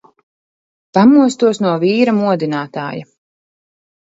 Pamostos no vīra modinātāja.